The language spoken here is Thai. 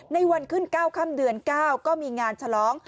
ในวันขึ้น๙ค่ำเดือน๙ก็มีงานฉลอง